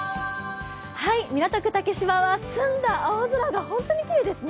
港区竹芝は、澄んだ青空が本当にきれいですね。